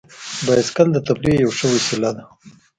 بایسکل د تفریح یوه ښه وسیله ده.